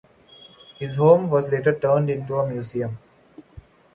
His home was later turned into a museum.